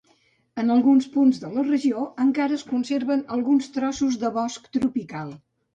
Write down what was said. En alguns punts de la regió encara es conserven alguns trossos de bosc tropical.